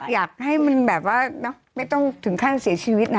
อยากให้มันแบบว่าไม่ต้องถึงขั้นเสียชีวิตนะ